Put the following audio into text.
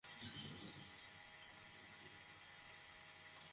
এবং যদি কোনো সমস্যা হয়, তো এটা আমার ড্রাইভারের উপর চাপাই না।